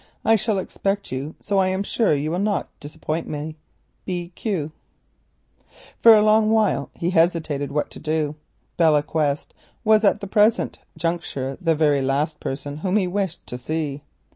I shall expect you, so I am sure you will not disappoint me.—B.Q." For a long while he hesitated what to do. Belle Quest was at the present juncture the very last person whom he wished to see.